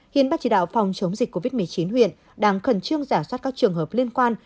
hiện ban chỉ đạo phòng chống dịch covid một mươi chín huyện đang khẩn trương giả soát các trường hợp liên quan